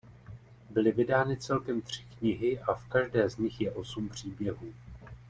Byly vydány celkem tři knihy a v každé z nich je osm příběhů.